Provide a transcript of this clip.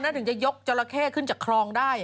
๔คนน่ะถึงจะยกจราเคขึ้นจากครองได้